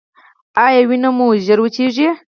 ایا وینه مو ژر وچیږي؟